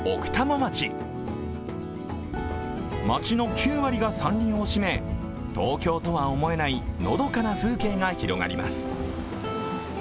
町の９割が山林を占め、東京とは思えないのどかな風景が広がります。